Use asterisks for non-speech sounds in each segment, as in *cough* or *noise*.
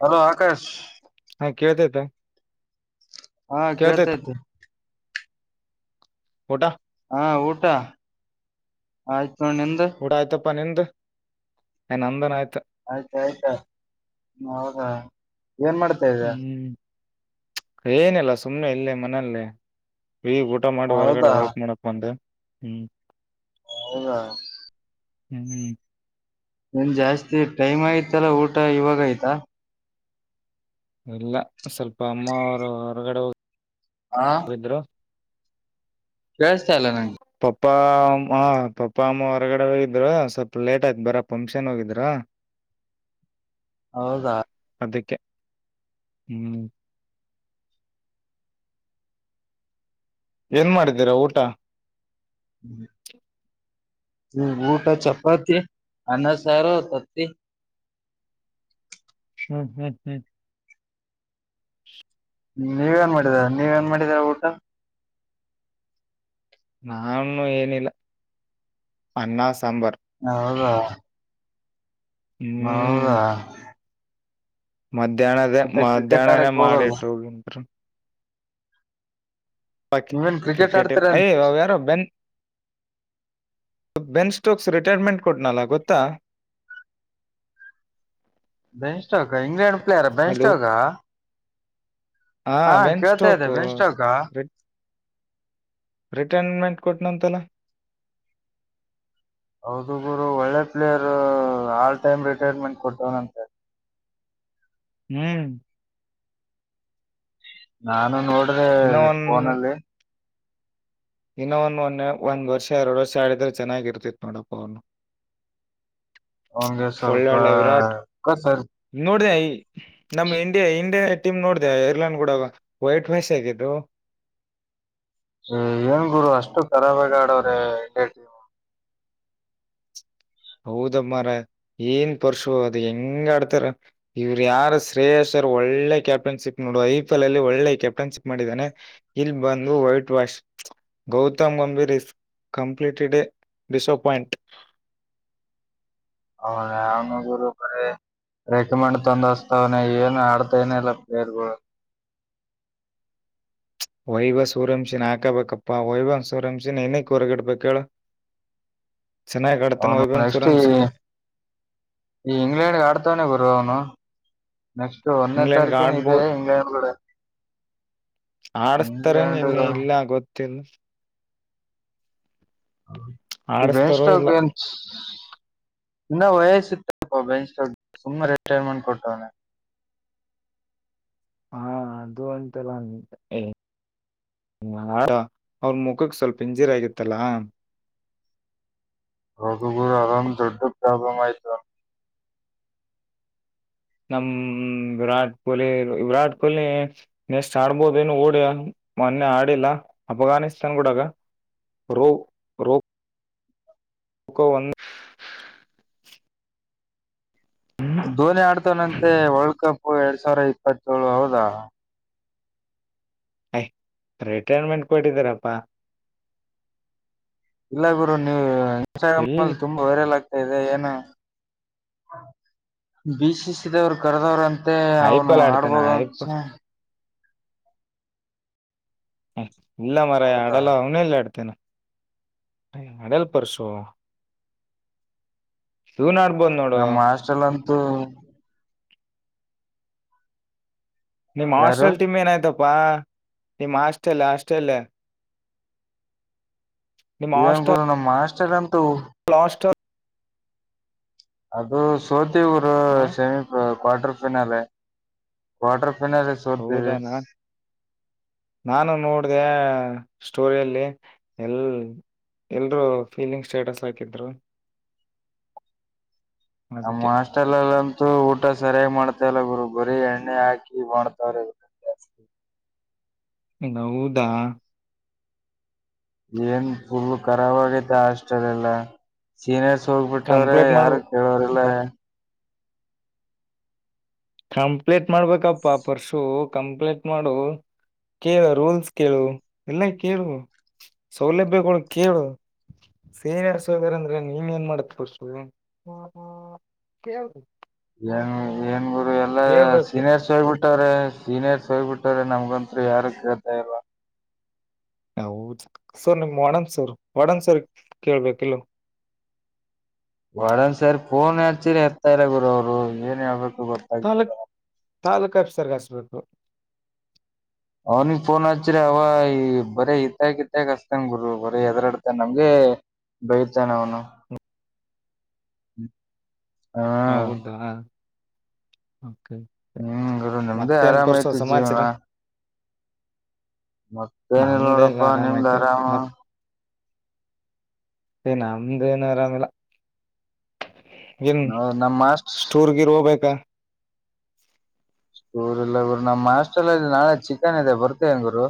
Hello Akash. ಕೇಳತತ. ಹಾ ಕೇಳ್ತಾ ಇದ್ದ. ಊಟಾ. ಹಾ ಊಟ ಆಯ್ತ. ಊಡ ಆಯ್ತಪ್ಪ ನಿಂದ ಏನ್ ನಂದನ್ ಆಯ್ತ. ಆಯ್ತ ಆಯ್ತಾ ಹದಾ ಏನ್ ಮಾಡ್ತೇ ಇದ. ಏನಲ್ಲ ಸುಮ್ಮ್ನೆ ಇಲ್ಲೇ ಮನೆಯಲ್ಲೇ. ವ ಊಟ ಮಾಡಿ ಹೊರ್ಗಡೆ ಹೌದಾ ವಾಕ್ ಮಾಡಕ್ ಬಂದ ಹ್ಮ್. ಹೌದಾ. ಹ್ಮ ನನ್ ಜಾಸ್ತಿ ಟೈಮ್ ಆಯತಲ್ಲ ಊಟ ಇವಾಗ ಆಯ್ತಾ ಇಲ್ಲ ಸ್ವಲ್ಪ ಅಮ್ಮ ಅವರು ಹೊರಗಡೆ ಹೋಗ ಹಿದರು. ಕೇಳಸ್ತ ಇಲ್ಲ ನ. ಪಪ್ಪಾ ಅಮ್ಮ ಪಪ್ಪ ಅಮ್ಮ ಹೊರಗಡೆ ಹೋಗಿದ್ರ. ಸ್ವಲ್ಪ ಲೇಟ್ ಆಯ್ತು ಬರ ಫಂಕ್ಷನ್ ಹೋಗಿದ್ರ. *inaudible* ಹೌದಾ. ಅದಕ್ಕೆ ಹ್ಮ್ ಏನ್ ಮಾಡಿದ್ದೀರಾ ಊಟ. *inaudible* ಊಟ ಚಪಾತಿ, ಅನ್ನ, ಸಾರತತಿ ಹ್ಮ್ ಹ್ಮ್ ಹ್ಮ್ *inaudible* ನೀವೇಏನ್ ಮಾಡಿದರ ನೀವ ಏನ್ ಮಾಡಿದೀರ ಊಟ. ನಾನು ಏನಿಲ್ಲ ಅನ್ನಸ್ ಹೌದಾ ಹ್ಮ್ ಹೌದಾ ಮಧ್ಯಾಹ್ನದ ಮತ್ತೆ ಕ್ರಿಕೆಟ್ ಮಧ್ಯಾಹ್ನನೇ ಆಡಕ್ ಹೋಗಲ್ವ ಮಾಡಿಟ್ಟು ಹೋಗ ಬ ನೀವೇನ್ ಕ್ರಿಕೆಟ್ ಕ್ರಿಕೆಟ ಆಡ್ತೀರ ಅಯ ಯಾರ ಬೆನ್ ಬೆನ್ ಸ್ಟೋಕ್ಸ್ ರಿಟೈರ್ಮೆಂಟ್ ಕೊಟ್ನಲ್ಲ ಗೊತ್ತಾ. ಬೆನ್ಸ್ಕ್ ಕ ಇಂಗ್ಲೆಂಡ್ ಪ್ಲೇಯರ್ ಹಲೋ ಬೆನ್ಸ್ಟೋಕಾ. ಹಾ ವೆನ್ ಕೇಳ್ತ ಸ್ಟೋಕ್ ಇದ್ದ ಬೆನ್ಸ್ಟೋಕ. ರಿಟೈನ್ಮೆಂಟ್ ಕೊಟ್ಟನಂತಲ. ಹೌದು ಗುರು. ಒಳ್ಳೆ ಪ್ಲೇಯರ್ ಆಲ್ ಟೈಮ್ ರಿಟೈರ್ಮೆಂಟ್ ಕೊಟ್ಟವನಂತೆ. ಹ್ಮ್ ನಾನು ನೋಡ್ ದ ಇನ್ನ ಫೋನಲ್ಲಿ ಇನ್ನ್ನು ಒನ್ನೆ ಒಂದ್ ವರ್ಷ ಎರಡು ವರ್ಷ ಆಡಿದ್ರೆ ಚೆನ್ನಾಗಿರ್ತಿತ್ ನೋಡಪ್ಪ ಅವನು ಅವನ್ಗೆ ಸ್ವಲ್ಪ ಒಳ್ಳೆಳ್ಳೆ ವಿರಾಟ್ ದುಃಖ ಸರ್ ನೋಡಿದೆಯ ನಮ್ ಇಂಡಿಯಾ ಇಂಡಿಯಾ ಟಮ್ ನೋಡ್ದ ಏರ್ಲೈನ್ ಕೂಡ ವೈಟ್ ವಸ್ ಆಗಿದ್ದು ಏನ್ ಗುರು ಅಷ್ಟು ಖರಾಬಾಆಗ ಆಡವ್ರೆ ಇಂಡ ಟೀಮ್ ಹೌದಮ್ಮರ ಏನ್ ಪರಶು ಅದು ಹೆಂಗ ಆಡ್ತಾರ ಇವ್ರ ಯಾರ ಶ್ರಯಸ್ ಒಳ್ಳೆ ಕ್ಯಾಪ್ಟನ್ಶಿಪ್ ನೋಡು ಐ ಪಿ ಎಲ್ ಅಲ್ಲಿ ಒಳ್ಳೆ ಕ್ಯಾಪ್ಟನ್ಶಿಪ್ ಮಾಡಿದ್ದಾನೆ ಇಲ್ಲಿ ಬಂದು white wash Gautam Gambhir is completely disappoint ಅವನುಗುರುಕ ರೆಕಮಂಡ್ ತೊಂದೋಸ್ತಾವನೆ ಏನು ಆಡ್ತೇನೆ ಇಲ್ಲ ಪ್ಲೇರ್ ಬ್ರೋ *inaudible* ವೈವ ಸೂರ್ಯಂಶಿನ್ ಹಾಕಬೇಕಪ್ಪಾ ವೈವ ಸೂರ್ಯಂಶಿನ ಇನಕ್ ಹೊರಗಿಡ್ಬೇಕ ಹೇಳ *inaudible* ಅವನು ನೆಕ್ಸ್ಟ್ ಈ ಈ ಇಂಗ್ಲೆಂಡ್ ಆಡ್ತವಾನೆ ಗುರು ಅವನು ನೆಕ್ಸ್ಟ್ ಒಂದನೇ ಇಂಗ್ಲೆಂಡ್ಗೆ ತಾರೀಕೇನ ಇದೆ ಆಡ್ಬೋದು ಇನ್ನೇನ್ ಬಿಡೋ ಆಡಸ್ತಾರೆ ಇಂಗ್ಲೆಂಡ್ ಇನ್ನು ಇಲ್ಲ ಗೊತ್ತಿಲ್ಲ ವೆಸ್ಟ್ ಆಡಿಸ್ತಾರೋ ಇಲ್ಲ ಇನ್ನ ವಯಸ್ಸ ಇತ್ತುಪ್ಪ ಬೆಂಚ್ ಸುಮ್ಮ ರಿಟೈರ್ಮೆಂಟ್ ಕೊಟ್ಟವನ ಹಾ ಅದು ಅಂತೆಲ್ಲ ಹ ಅವ್ರ ಮುಖಕ್ಕೆ ಸ್ವಲ್ಪ ಇಂಜಿರಿ ಆಗಿತ್ತಲ್ಲಾ ಹೌದು ಗುರು ಅಂದೊಂದು ದೊಡ್ಡ ಪ್ರಾಬ್ಲಮ್ಆಯಿತು ನಮ ವಿರಾಟ್ ಕೊಹ್ಲಿ ವಿರಾಟ್ ಕೊಹ್ಲಿ ನೆಸ್ಟ್ ಆಡ್ಬೋದ ಏನು ಓಡ್ಯ ಮೊನ್ನೆ ಆಡಿಲ್ಲ ಅಫ್ಘಾನಿಸ್ತಾನ್ ಗೂಡಗ ರೋ ರೋ ಹಕೋ ಒಂದು ಧೋನಿ ಆಡ್ತನಂತೆ ವರ್ಲ್ಡ್ ಕಪ್ ಎರಡ್ ಸಾವಿರ ಇಪ್ಪತ್ತೇಳು ಹೌದಾ ಹೇ ರಿಟೈರ್ಮೆಂಟ್ ಕೊಟ್ಟಿದಾರಪ್ಪಾ ಇಲ್ಲ ಗುರು ನೀವು ಎಲ್ಲಿ ಇನ್ಸ್ಟಾಗ್ರಾಮ್ಲೀ ತುಂಬಾ ವೈರಲ್ ಆಗ್ತ ಇದೆ ಏನು ಬಿಸಿಸಿದವ್ರು ಕರೆದವರುಂತ ಮತ್ತೆ ಐ ಪಿ ಅವನು ಎಲ್ ಆಡ್ತಾನ ಆಡ್ಬೋದು ಐ ಅನ್ಸ ಪ ಹ ಇಲ್ಲ ಮಾರಯ ಹೌದಾ ಆಡಲ್ಲ ಅವನ ಎಲ್ಲಾಡ್ತೇನೆ ನಡೆಲು ಪ್ರಸೋ ಇವನು ಯಾರ ನಮ್ಮ ಹಾಸ್ಟೆಲ್ ಅಂತೂ ನಿಮ್ಮ ಯಾರು ಹಾಸ್ಟೆಲ್ ಟೀಮ್ ಏನಾಯ್ತು ಬಾ ನಿಮ್ಮ್ ಹಾಸ್ಟೆಲ್ ಹಾಸ್ಟೆಲ್ ಏ ಏನ್ ಗುರು ನಮ್ ಹಾಸ್ಟೆಲ್ ಅಂತೂ ಲಾಸ್ಟರ್ ಅದು ಸೋತಿ ರು ಹ semi quarter final quarter final ಸೋತೀವಿ ಹೌದನಾ ನಾನು ನೋಡ್ದಾ ಸ್ಟೋರಿಯಲ್ಲಿ ಎಲ್ ಎಲ್ರು ಫೀಲಿಂಗ್ ಸ್ಟೇಟಸ್ ಹಾಕಿದ್ರು ನಮ್ಮ ಅದಕ್ಕೆ ಹಾಸ್ಟೆಲಿಲಿ ಊಟ ಸರಿಯಾಗಿ ಮಾಡ್ತಲ್ಲ ಗುರು ಬರಿ ಎಣ್ಣೆ ಹಾಕಿ ಮಾಡ್ತವ್ರ ಜಾಸ್ತಿ ಹೌದಾ ಏನ್ ಫುಲ್ ಕರಾಬ್ ಆಗೈತೆ ಹಾಸ್ಟೆಲ್ ಎಲ್ಲ ಸೀನಿಯರ್ ಕಂಪ್ಲೀಟ್ ಮಾಡ್ಬೋ ಕಂಪ್ಲೀಟ್ ಮಾಡ್ಬೇಕಪ್ಪಾ ಪರ್ಶು ಕಂಪ್ಲೀಟ್ ಮಾಡು ಕೇಳು ರೂಲ್ಸ್ ಕೇಳು ಎಲ್ಲ ಕೇಳು ಸೌಲಭ್ಯಗಳು ಕೇಳು ಸೀನಿಯರ್ ಹೋಗೋರಂದ್ರೆ ಅಂದ್ರೆ ನೀನ್ ಏನ್ ಮಾಡ್ಯಾತಿರ್ ಸ್ಟೂಡೆಂಟ್ ಏನ್ ಏನ್ ಗುರು ಎಲ್ಲಾ ಕೇಳ್ಬೇಕು ಸೀನಿಯರ್ಸ್ ಹೋಗ್ಬಿಟ್ಟ್ರ ಸೀನಿಯರ್ಸ್ ಬಿಟ್ಟ್ರ ನಮ್ಗಂತ್ ಯಾರು ಕೇಳ್ತಾ ಇಲ್ಲಾ ನಾವು ಹುಚ್ಚ ಸರ್ ನಿಮ್ ವಾರ್ಡನ್ ಸರ್ ವಾರ್ಡನ್ ಸರ್ ಕೇಳ್ಬೇಕಿಲೊ ವಾರ್ಡನ್ ಸರ್ ಫೋನ್ ಹಚ್ಚರಿ ಏತ್ತ ಇಲ್ಲಾ ಗುರು ಅವ್ರು ಏನ್ ಹೇಳ್ಬೇಕು ಗೊತ್ತಾಗ್ತಿಲ್ಲ ತಾಲೂಕು ಆಫೀಸರ್ ಹಚ್ಚಬೇಕು ಅವನಿಗೆ ಫೋನ್ ಹಚ್ಚರಿ ಅವ ಈ ಬರೇ ಈದಾಗೆ ಈದಾಗೆ ಹಸ್ತನ್ ಗುರು ಬರೀ ಹೆದರಾಡ್ತನ್ ನಮಗೆ ಬೈತಾನ ಅವನು *unintelligible* ಹೌದಾ ಹ ಹ್ಮ್ ಗುರು ನಿಮ್ದೇ ಮತ್ತೇನ್ ಆರಾಮ ಪರಸು ಐತಿ ಸಮಾಚಾರಾ ಮತ್ತೇಏನಲ್ ನಮ್ದೇನ್ ನೋಡಪ್ಪಾ ನಿಮ್ದ್ ಐತೆ ಆರಾಮ ನಮ್ದು ಏನು ಆರಾಮ ಇಲ್ಲಾ ನ್ ನಾ ನಮ್ ಮಾಸ್ಟ್ ಸ್ಟೂರ್ ಗಿರ್ ಹೋಗಬೇಕಾ ಸ್ಕುಲ್ ಇಲ್ಲಾ *unintelligible* ಗುರು ನಮ್ಮ ಹಾಸ್ಟೆಲ್ ಅಲ್ಲಿ ನಾಳೆ ಚಿಕನ್ ಇದೆ ಬರ್ತೇಯಾ ಗುರು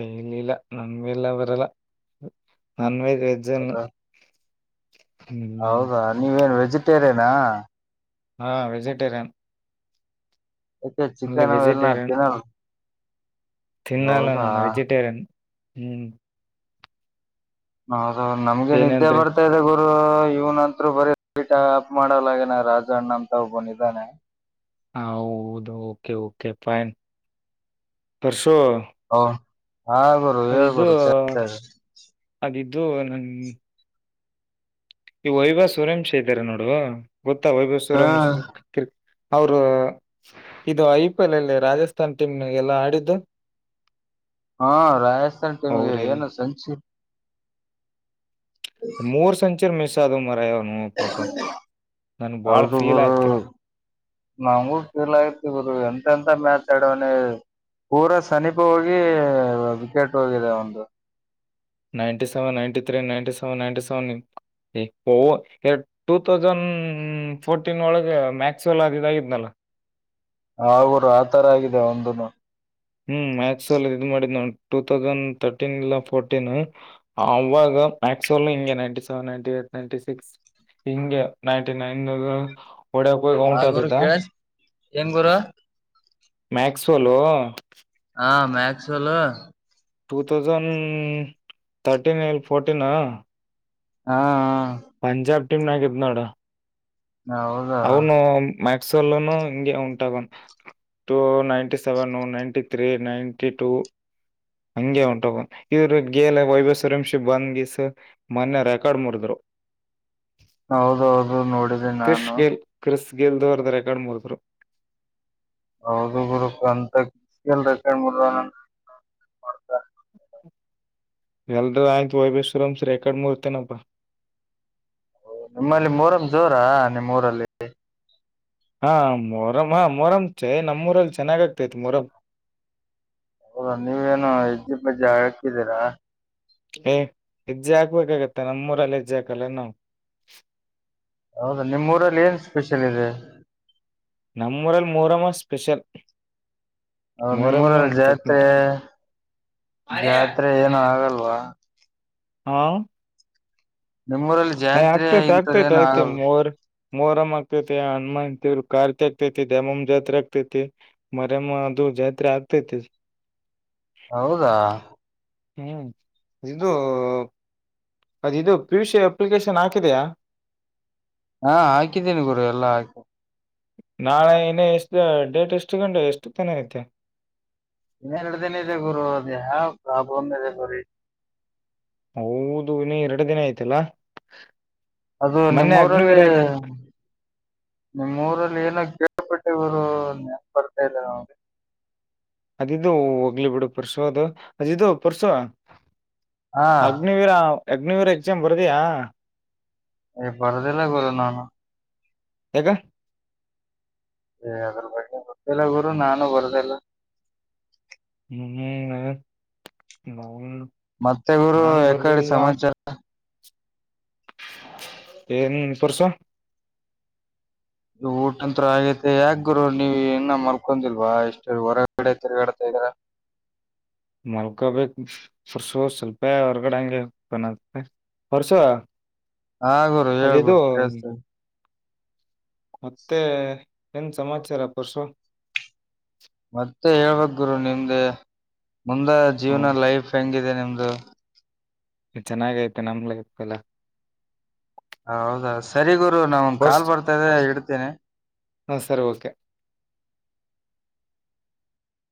ಇಲ್ಲಿಲ್ಲ ನನ್ ಮೇಲೆ ಬರಲ್ಲ ನಾನ್ ವೈದ್ ಹೌದಾ ಹ್ಮ್ ಹೌದಾ ನೀವೇನ್ ವೆಜಿಟೇರಿಯನಾ ಹಾ ವೆಜಿಟೇರಿಯನ್ ಅಕ್ ಅಲ್ಲಿ ಚಿಕನ್ ಎಲ್ಲ ವೆಜಿಟೇರಿಯನ್ ತಿನ್ನೋವ ತಿನ್ನಲ್ಲ ನಾನು ವೆಜಿಟೇರಿಯನ್ ಹ್ಮ್ ಹೌದ ನಮ್ಗೆ ನಿದ್ದೆ ಏನಂದ್ರೆ ಬರ್ತಾ ಇದೆ ಗು ರು ಇವನಂತರು ಬರೀ ಟಅಪ್ ಮಾಡಲಾಗನ ರಾಜನಮ್ಮ ತಾವ ಅಣ್ಣ ಅಂತ ನಮ್ ತಾವ್ ಬಂದಿದ್ದಾನೆ ಹ ಹೌದು ಓಕೆ ಓಕೆ ಫೈನ್ ಬಸು ಓ ಹಾ ಗುರು ಹೇಳ್ ಅದಿದ್ದು ಗುರು ಕೇಳ್ತಾ ಇದೆ ಅದಿದ್ದು ನನ್ ಈ ವೈಭವ ಸುರಂಶ್ ಇದ್ದಾರೆ ನೋಡು ಗೊತ್ತಾ ವೈಭವ ಹಾ ಸುರಂಶ್ ಕ ಅವರು ಇದು ಐ ಪಿ ಎಲ್ ಅಲ್ಲಿ ರಾಜಸ್ಥಾನ್ ಟೀಮ್ ಎಲ್ಲಾ ಆಡಿದ್ದು ಷೂ ಹಾ ರಾಜಸ್ಥಾನ್ ಟಿಮ್ ಗೆ ಏನು ಸಂಚಿ ಮೂರು ಸಂಚರಿ ಮಿಸ್ ಆದ ಮಾರಾಯಾ *unintelligible* ಫೀಲ್ ಆಯ್ತು ನಮಗೂ ಫೀಲ್ ಆಯತಿದರು ಎಂತ ಎಂತ ಮ್ಯಾಚ್ ಆಡವನೆ ಪೂರಾ ಸನೀಪ ಹೋಗಿ ವಿಕೆಟ್ ಹೋಗಿದೆ ಒಂದು ninety seven ninety three ninety seven nine seven ಓ ಎರ ಟೂ ತೌಸಂಡ್ ಫೋರ್ಟೀನ್ ಒಳಗೆ ಮ್ಯಾಕ್ಸ್ ವೆಲ್ ಅದ ಇದಾಗಿದ್ನಲ್ಲ ಷೂ ಅವರ ಆತರ ಆಗಿದೆ ಒಂದನು ಹ್ಮ್ ಮ್ಯಾಕ್ಸ್ ಲ್ಲೊ ಇದ್ ಮಾಡಿದ್ ನೋಡ ಟೂ ತೌಸಂಡ್ ತರ್ಟೀನ್ ಇಲ್ಲ ಫೋರ್ಟೀನ್ ಅವಾಗ ಕ್ಸೋಲ್ಲ ಇ ninety seven ninety eight ninety six ಹಿಂಗೆ ನೈನ್ಟಿ ನೈನ ದಾಗ ಹೊಡೆಯಾಕ ಹೋಗಿ ಆ ಔಟ್ ಗುರು ಆಗಿದ್ದ ಕೇಳಸ್ ಏನ್ ಗುರು ಮ್ಯಾಕ್ಸ್ ವಲ್ ಹಾ Maxwell two thousand thirteen ಇಲ ಫೋರ್ಟೀಿನಾ ಹಾ ಹ ಪಂಜಾಬ್ ಟೀಮ ನಾಗ ಇದ್ದು ನೋಡು ಹೌದಾ ಅವನು ಮ್ಯಾಕ್ಸಲ್ಲನು ಹಿಂಗೆ ಉಂಟಾಗನ್ two ninety seven ninety three ninety two ಹಂಗೆ ಹೋಂಟೋಗನೆ ಇದ್ರ ಗೆಲ್ ವೈಭವ್ ಸೂರ್ಯವಂಶಿ ಬಂದದಿವಸ ಮೊನ್ನೆ ರೆಕಾರ್ಡ್ ಮುರಿದ್ರು. *unintelligible* ಹೌದೌದು ನೋಡಿದೆ ಕ್ರಿಶ್ ನಾನು ಗೇಲ್ ಕ್ರಿಸ್ ಗೆಲ್ ದು ರೆಕಾರ್ಡ್ ಮೂರ್ದರು ಹೌದು ಗುರು *unintelligible* ಎಲ್ಡ ಆಯತ್ು ವೈಬೇಶ್ವರಂಸ್ ರೆಕಾರ್ಡ್ ಮೂರ್ತನಪ್ *unintelligible* ನಿಮ್ಮಲ್ಲಿ ಮೊಹರಂ ಜೋರಾ ನಿಮ್ ಊರಲ್ಲಿ ಹಾ ಮೊಹರಂ ಹಾ ಮೊಹರಂ ಛೇ ನಮ್ಮೂರಲ್ ಚೆನ್ನಾಗ ಆಗ್ತಾಯಿತ್ ಮೊಹರಂ ಹೌದ ನೀವೇನು ಹೆಜ್ಜೆ ಪಜ್ಜೆ ಹಕ್ತಿದ್ದೀರಾ ಏ್ ಹೆಜ್ಜೆ ಹಾಕ್ಬೇಕಾಗತ್ತ ನಮ್ಮೂರಲ್ಲ ಹೆಜ್ಜೆ ಹಾಕಲ್ಲ ಏನ್ ನಾವು ಹೌದಾ ನಿಮ್ಮ್ ಊರಲ್ಲಿ ಏನ್ ಸ್ಪೆಷಲ್ ಇದೆ ನಮ್ಮೂರಲ್ ಮೊಹರಂ ಹಾ ಸ್ಪೆಷಲ್ ಹೌದ್ ಮೊಹರಂನೇ ನಿಮ್ಮೂರಲ್ಲಿ ಒಂದು ತತ್ಮುಟ್. ಜಾತ್ರೆ- ಜಾತ್ರೆ ಏನು ಆಗಲ್ಲ ಅಯಾ *unintelligible* ಹಾ ನಿಮ್ಮೂರಲ್ಲಿ ಏ ಜಾತ್ರೆ ಆಗ್ತೈತ್ ಆಗ್ತೈತ್ ಇಂಥದ್ದೇನು ಆಾಗ್ತ ಆಗಲ್ ಮೊಹರಂ ಮೋಹರಮ್ ಆಗ್ತೈತಿ ಹನುಮಾನ್ ದೇವ್ರ್ ಕಾರ್ತಿಕೆ ಆಗ್ತೈತಿ ದಾಮಮ್ ಜಾತ್ರೆ ಆಗ್ತೈತಿ ಮರಮ ಅದು ಜಾತ್ರೆ ಆಗ್ತೈತಿ ಹೌದಾ ಹ್ಮ್ ಇದು ಅದಿದು ಪಿಯುಸಿ ಅಪ್ಲಿಕೇಶನ್ ಹಾಕಿದೆಯಾ ಹಾ ಹಾಕಿದ್ದೀನಿ ಗುರು ಎಲ್ಲಾ ಹಾಕಿ ನಾಳೆ ಇನ್ನ ಎಷ್ಟ ಡೇಟ್ ಎಷ್ಟು ಗಂಟ ಎಷ್ಟು ತನ ಐತೆ ಇನ್ನ ಎರಡು ದಿನ ಇದೆ ಗುರು ಅದ ಯಾವ ಪ್ರಾಬ್ಲಮ್ ಇದೆ ಗುರು ಹೌದು ಇನ್ನ ಎರಡು ದಿನ ಆಯ್ತಿಲ್ಲಾ ಅದು ನಿಮ್ಮೂರಲ್ಲಿ ನಿಮ್ಮೂರಲ್ಲಿ ಏನ ಕೆ ಕೆಲ್ಪ್ ಟ್ಟೆ ಗುರು ನೆನ್ಪ್ ಬರ್ತಯಿಲ್ಲ ಅದಿದು ಹೋಗ್ಲಿ ಬಿಡು ಪರ್ಸೋ ಅದಿದು ಪರ್ಸುವ ಹಾ ಅಗ್ನಿವೀರ ಅಗ್ನಿವೀರ ಎಕ್ಸಾಮ್ ಬರದಯಾ ಹೆ ಬರ್ದಿಲ್ಲ ಗುರು ನಾನು ಯಾಕ ಏ ಅದ್ರ ಬಗ್ಗೆ ಗೊತ್ತಿಲ್ಲ ಗುರು ನಾನು ಬರದಿಲ್ಲ ಹ್ಮ *unintelligible* ಮತ್ತೆ ಗುರು ಎಕಡೆ ಸಮಾಚಾರ ಎನ್ ಪರ್ಸು ಇ ಊಟಂತ್ರ ಆಗೈತೆ ಯಾಕ್ ಗುರು ನೀವ್ ಇನ್ನ ಮಲ್ಕೊಂದಿಲ್ವ ಎಷ್ಟು ಹೊರಗಡೆ ತಿರ್ಗಾಡ್ತಾ ಇದರ ಹ *inaudible* ಮಲ್ಕೊಬೇಕು ಪರ್ಸು ಸ್ವಲ್ಪೇ ಹೊರ್ಗಡೆ ಅಂಗೆ ಹೋಗಣ ಅಂತ ಪರ್ಸು ಹಾ ಗುರು ಹೇಳ ಅದಿದು ಗುರು ಕೇಳ್ಸ್ತಾತೈತೆ ಮತ್ತೆ ಏನ್ ಸಮಾಚಾರ ಪರಶು ಮತ್ತೆ ಹೇಳ್ಬೇಕ್ ಗುರು ನಿಮ್ದೇ ಮುಂದ ಜೀವನ ಹ್ಮ್ ಲೈಫ್ ಹೆಂಗಿದೆ ನಿಮ್ದ ಅಂದು *unintelligible* ಚನಾಗೈತ ನಮ್ ಲೈಫ್ ಅಲಾ ಹೌದಾ ಸರಿ ಗುರು ನಂಗೊಂದ್ ಕಾಲ್ ಬರ್ತಯಿದೆ ಇಡ್ತಿನೆ ಹಾ ಸರಿ ಓಕೆ